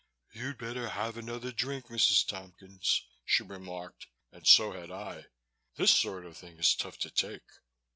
"You'd better have another drink, Mrs. Tompkins," she remarked, "and so had I. This sort of thing is tough to take."